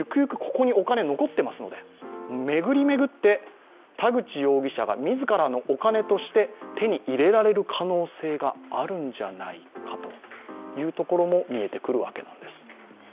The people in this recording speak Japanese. ここにお金残っていますので巡り巡って、田口容疑者が自らのお金として手に入れられる可能性があるんじゃないかというところも見えてくるわけです。